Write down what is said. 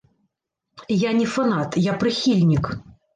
Я не фанат, я прыхільнік.